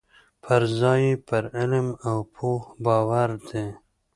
پر ځای یې پر علم او پوه باورمن دي.